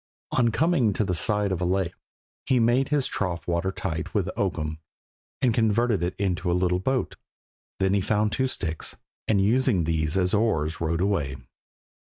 On coming to the side of a lake he made his trough water tight with oakum, and converted it into a little boat. Then he found two sticks, and using these as oars rowed away.